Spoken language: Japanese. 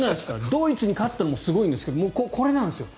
ドイツに勝ってもすごいんですがこれなんですよ